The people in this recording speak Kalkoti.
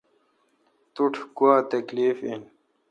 تو ٹھ گوا تکلیف این؟